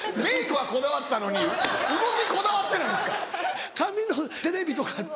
メークはこだわったのに動きこだわってないんですか？